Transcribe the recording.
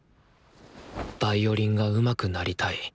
「ヴァイオリンがうまくなりたい」